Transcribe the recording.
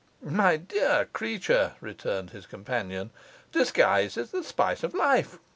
'My dear creature,' returned his companion, 'disguise is the spice of life.